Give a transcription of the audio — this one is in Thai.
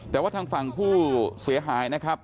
แต่ว่าทางฝั่งผู้เสียหายนะครับ